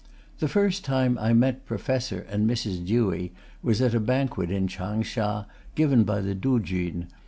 The first time I met Professor and Mrs. Dewey was at a banquet in Chang sha, given by the Tuchun.